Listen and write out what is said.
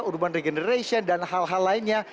urban regeneration dan hal hal lainnya